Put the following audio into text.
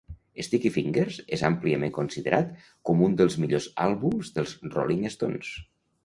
"Sticky Fingers" és àmpliament considerat com un dels millors àlbums dels Rolling Stones.